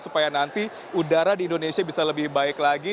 supaya nanti udara di indonesia bisa lebih baik lagi